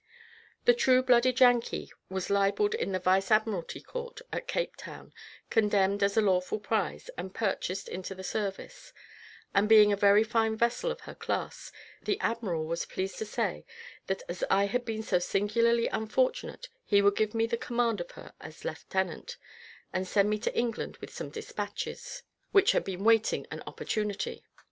The True blooded Yankee was libelled in the vice admiralty court at Cape Town, condemned as a lawful prize, and purchased into the service; and, being a very fine vessel of her class, the admiral was pleased to say, that as I had been so singularly unfortunate, he would give me the command of her as a lieutenant, and send me to England with some despatches, which had been waiting an opportunity.